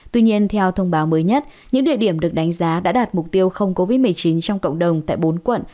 tuy nhiên theo thông báo mới nhất những địa điểm được đánh giá đã đạt mục tiêu không covid một mươi chín trong cộng đồng tại bốn quận